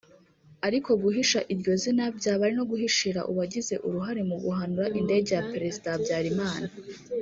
Ariko guhisha iryo zina byaba ari no guhishira uwagize uruhare mu guhanura indege ya Perezida Habyalimana